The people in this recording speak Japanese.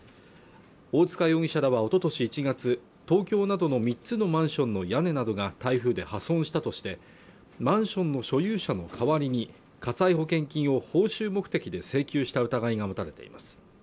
大塚容疑者らはおととし１月東京などの３つのマンションの屋根などが台風で破損したとしてマンションの所有者の代わりに火災保険金を報酬目的で請求した疑いが持たれています